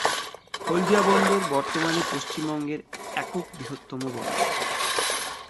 হলদিয়া বন্দর বর্তমানে পশ্চিমবঙ্গের একক বৃহত্তম বন্দর।